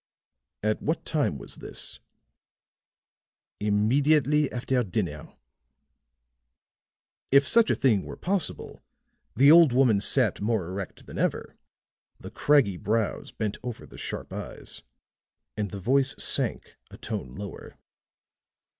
"At what time was this?" "Immediately after dinner." If such a thing were possible, the old woman sat more erect than ever, the craggy brows bent over the sharp eyes, and the voice sank a tone lower.